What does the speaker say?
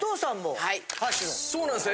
そうなんですよ